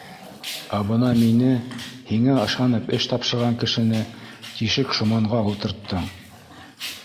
Ә бына мине, һиңә ышанып эш тапшырған кешене, тишек шоманға ултырттың